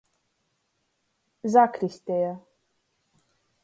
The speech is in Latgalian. Zakristeja.